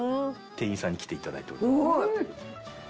店員さんに来ていただいて。